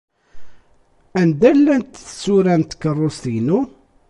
Anda llant tsura n tkeṛṛust-inu?